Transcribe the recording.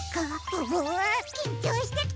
ううきんちょうしてきた。